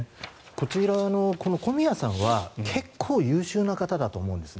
こちらの小宮さんは結構優秀な方だと思うんです。